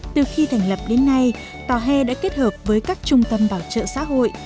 từ khi thành lập đến nay tòa he đã kết hợp với các trung tâm bảo trợ xã hội